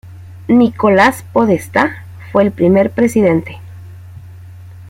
Nicolás Podestá fue el primer presidente.